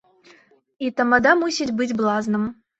І тамада мусіць быць блазнам.